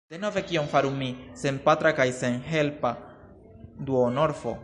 Denove kion faru mi, senpatra kaj senhelpa duonorfo?